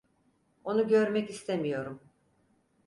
Onu görmek istemiyorum.